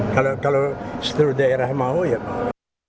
kalau seluruh daerah mau ya mau